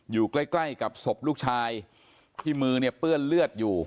อยู่ใกล้ใกล้กับศพลูกชายที่มือเนี่ยเปื้อนเลือดอยู่